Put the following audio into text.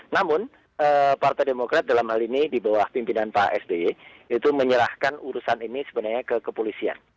namun partai demokrat dalam hal ini di bawah pimpinan pak sby itu menyerahkan urusan ini sebenarnya ke kepolisian